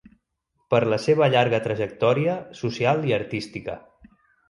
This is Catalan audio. Per la seva llarga trajectòria social i artística.